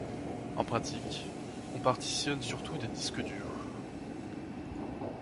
En pratique, on partitionne surtout des disques durs.